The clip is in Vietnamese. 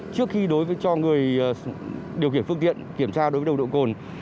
trước khi đối với cho người điều khiển phương tiện kiểm tra đối với nồng độ cồn